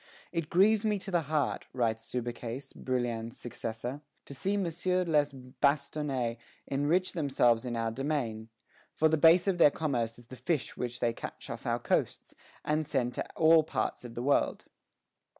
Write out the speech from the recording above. "It grieves me to the heart," writes Subercase, Brouillan's successor, "to see Messieurs les Bastonnais enrich themselves in our domain; for the base of their commerce is the fish which they catch off our coasts, and send to all parts of the world."